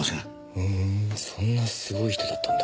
ふんそんなすごい人だったんだ。